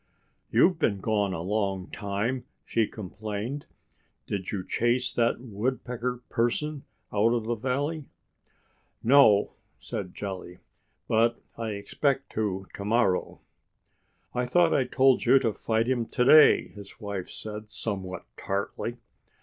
"You've been gone a long time," she complained. "Did you chase that Woodpecker person out of the valley?" "No!" said Jolly. "But I expect to to morrow." "I thought I told you to fight him to day," said his wife somewhat tartly.